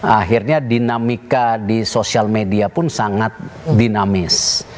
akhirnya dinamika di sosial media pun sangat dinamis